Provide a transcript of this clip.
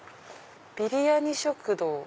「ビリヤニ食堂」。